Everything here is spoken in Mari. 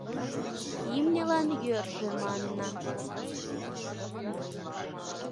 Имньылан йӧржӧ манна.